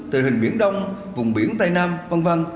tình hình biển đông vùng biển tây nam v v